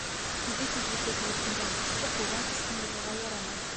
Үҙе ситлеккә килеп ингән ҡошто ҡулдан ыскындырырға ярамай.